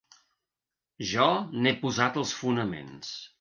Jo n'he posat els fonaments